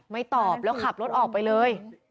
ตอบแล้วขับรถออกไปเลย